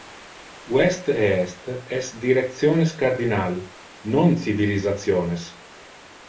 West e est es directiones cardinal, non civilisationes.